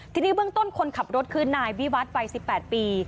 ทีนี้เบื้องต้นคนขับรถคือนายวิวัตรวัย๑๘ปี